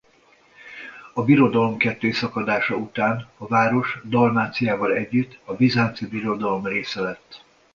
A birodalom kettészakadása után a város Dalmáciával együtt a Bizánci Birodalom része lett.